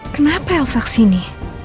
kenapa elsa kesini